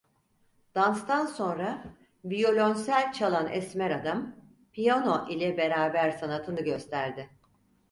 Danstan sonra, viyolonsel çalan esmer adam, piyano ile beraber sanatını gösterdi.